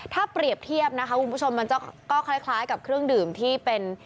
ถ้าเปรียบเทียบนะคะคุณผู้ชมมันก็คล้ายกับเครื่องดื่มที่เป็น